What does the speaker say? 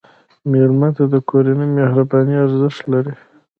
مېلمه ته د کورنۍ مهرباني ارزښت لري.